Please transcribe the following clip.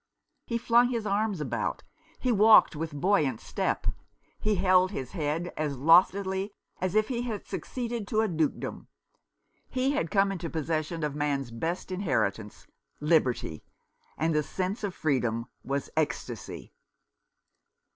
He flung his arms about ; he walked with buoyant step ; he held his head as loftily as if he had succeeded to a dukedom. He had come into possession of man's best inheritance — liberty ; and the sense of freedom was ecstasy.